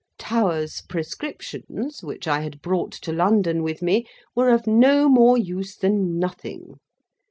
Towers's prescriptions, which I had brought to London with me, were of no more use than nothing.